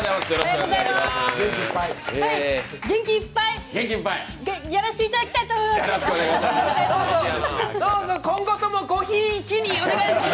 元気いっぱいやらせていただきたいと思います。